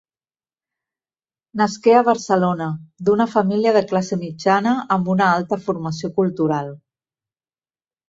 Nasqué a Barcelona d'una família de classe mitjana amb una alta formació cultural.